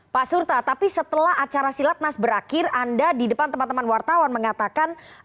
pak surta tapi setelah acara silatnas berakhir anda di depan teman teman wartawan mengatakan